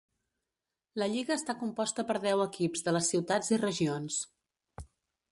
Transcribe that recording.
La lliga està composta per deu equips de les ciutats i regions.